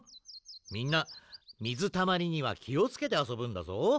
みんなみずたまりにはきをつけてあそぶんだぞ。